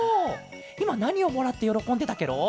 いまなにをもらってよろこんでたケロ？